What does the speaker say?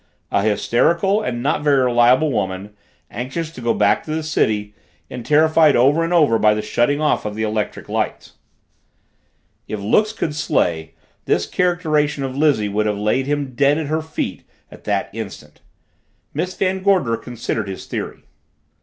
"A hysterical and not very reliable woman, anxious to go back to the city and terrified over and over by the shutting off of the electric lights." If looks could slay, his characterization of Lizzie would have laid him dead at her feet at that instant. Miss Van Gorder considered his theory.